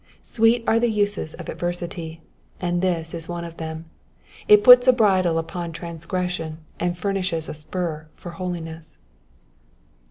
Sweet are the uses of adversity, and this is one of them, it puts a bridle upon transgression and furnishes a spur for holiness.